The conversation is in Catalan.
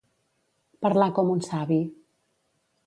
Parlar com un savi.